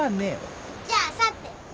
じゃああさって。